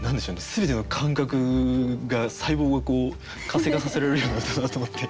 全ての感覚が細胞が活性化させられるような歌だなと思って。